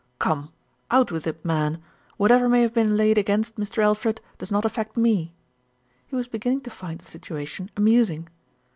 "Come, out with it, man ! Whatever may have been laid against Mr. Alfred, does not affect me," he was beginning to find the situation amusing.